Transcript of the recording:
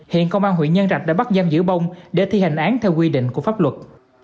hiện công an huyện nhân trạch đã bắt giam giữ bông để thi hành án theo quy định của pháp luật